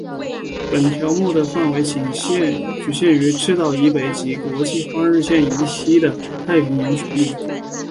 本条目的范围仅局限于赤道以北及国际换日线以西的太平洋水域。